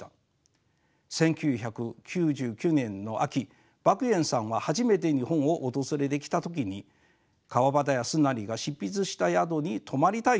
１９９９年の秋莫言さんは初めて日本を訪れてきた時に川端康成が執筆した宿に泊まりたいと言いました。